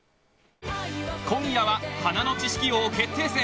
今夜は花の知識王決定戦。